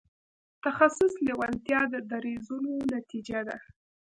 تخصص لېوالتیا دریځونو نتیجه ده.